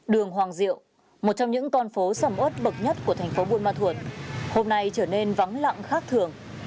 đường hoàng diệu một trong những con phố sầm ớt bậc nhất của thành phố buôn ma thuột hôm nay trở nên vắng lặng khác thường